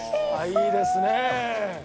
いいですねえ。